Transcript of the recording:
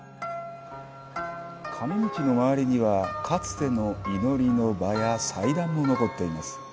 神道の周りにはかつての祈りの場や祭壇も残っています。